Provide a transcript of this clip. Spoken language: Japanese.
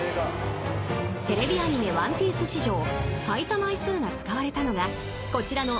［テレビアニメ『ワンピース』史上最多枚数が使われたのがこちらの］